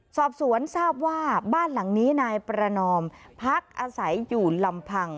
สอบสวนทราบว่าบ้านหลังนี้นายประนอมพักอาศัยอยู่ลำพัง